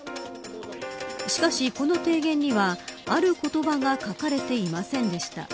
しかし、この提言にはある言葉が書かれていませんでした。